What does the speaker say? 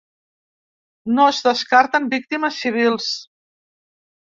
No es descarten víctimes civils.